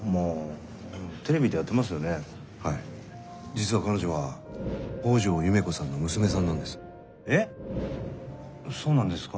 実は彼女は北條夢子さんの娘さんなんです。え！？そうなんですか？